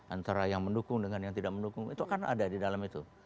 antara yang mendukung dengan yang tidak mendukung itu akan ada di dalam itu